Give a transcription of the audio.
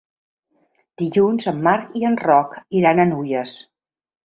Dilluns en Marc i en Roc iran a Nulles.